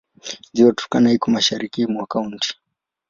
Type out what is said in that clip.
Ziwa Turkana liko mashariki mwa kaunti.